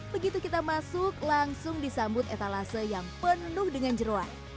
begitu kita masuk langsung disambut etalase yang penuh dengan jeruan